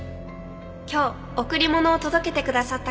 「今日贈り物を届けてくださった方へ」